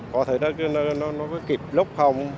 có thể nó có kịp lúc không